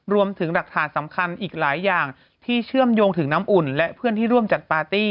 รวมถึงหลักฐานสำคัญอีกหลายอย่างที่เชื่อมโยงถึงน้ำอุ่นและเพื่อนที่ร่วมจัดปาร์ตี้